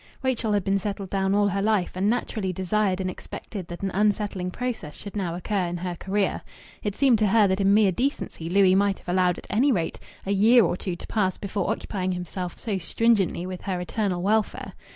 Rachel had been settled down all her life, and naturally desired and expected that an unsettling process should now occur in her career. It seemed to her that in mere decency Louis might have allowed at any rate a year or two to pass before occupying himself so stringently with her eternal welfare.